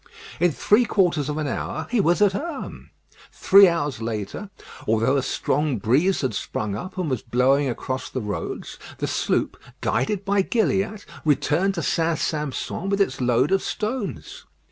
In three quarters of an hour he was at Herm. Three hours later, although a strong breeze had sprung up and was blowing across the roads, the sloop, guided by Gilliatt, returned to St. Sampson with its load of stones.